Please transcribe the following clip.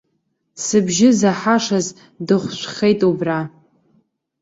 Сыбжьы заҳашаз дыхәшәхеит убра!